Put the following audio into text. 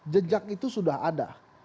jejak itu sudah ada